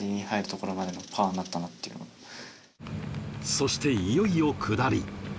そして、いよいよ下り。